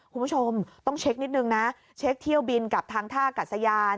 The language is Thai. คุณผู้ชมต้องเช็คนิดนึงนะเช็คเที่ยวบินกับทางท่ากัดสยาน